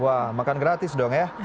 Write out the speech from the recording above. wah makan gratis dong ya